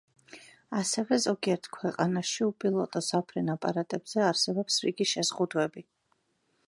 ასევე ზოგიერთ ქვეყანაში უპილოტო საფრენ აპარატებზე არსებობს რიგი შეზღუდვები.